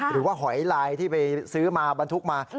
หรือว่าหอยไลน์ที่ไปซื้อมาบรรทุกมา